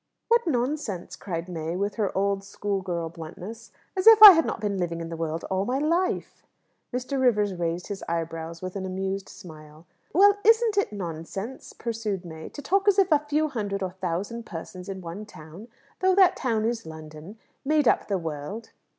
"What nonsense!" cried May, with her old schoolgirl bluntness. "As if I had not been living in the world all my life!" Mr. Rivers raised his eyebrows with an amused smile. "Well, isn't it nonsense," pursued May, "to talk as if a few hundred or thousand persons in one town though that town is London made up the world?"